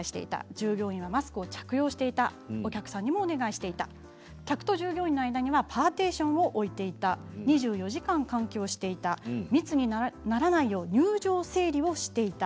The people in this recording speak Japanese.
従業員はマスクを着用していたお客さんにもお願いしていた客と従業員の間にはパーティションを置いていた２４時間換気をしていた密にならないよう入場整理をしていた。